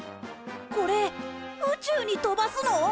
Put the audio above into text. これ宇宙に飛ばすの！？